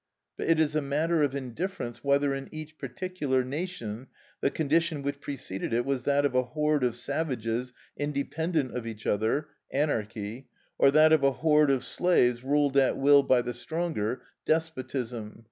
But it is a matter of indifference whether, in each particular nation, the condition which preceded it was that of a horde of savages independent of each other (anarchy), or that of a horde of slaves ruled at will by the stronger (despotism).